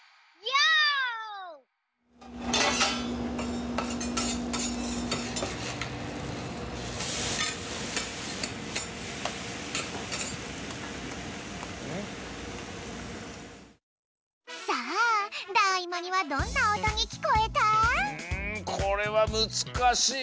うんこれはむずかしいな。